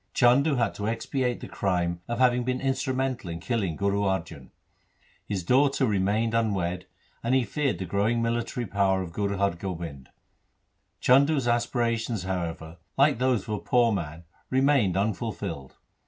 Chandu had to expiate the crime of having been instrumental in killing Guru Arjan ; his daughter re mained unwedded, and he feared the growing military power of Guru Har Gobind. Chandu's aspirations, however, like those of a poor man remained unful filled.